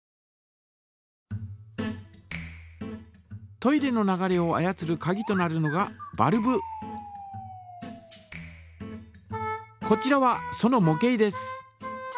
トイレの流れを操るかぎとなるのがこちらはそのも型です。